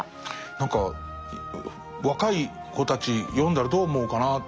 何か若い子たち読んだらどう思うかなっていう。